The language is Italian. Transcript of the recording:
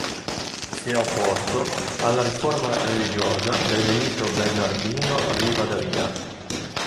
Si è opposto alla riforma religiosa del ministro Bernardino Rivadavia.